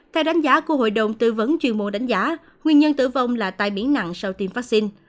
theo đánh giá của hội đồng tư vấn chuyên môn đánh giá nguyên nhân tử vong là tai biến nặng sau tiêm vaccine